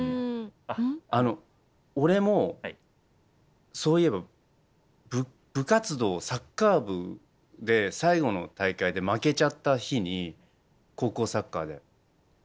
あの俺もそういえば部活動サッカー部で最後の大会で負けちゃった日に高校サッカーで。